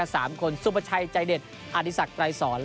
สามคนสุประชัยใจเด็ดอธิสักไกรสอน